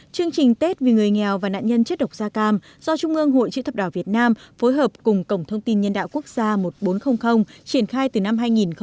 chương trình tết vì người nghèo và nạn nhân chất độc da cam do trung ương hội chữ thập đỏ việt nam phối hợp cùng cổng thông tin nhân đạo quốc gia một nghìn bốn trăm linh chín